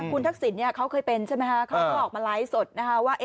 คุณทักษิณเขาเคยเป็นใช่ไหมคะเขาก็ออกมาไลฟ์สดนะคะว่า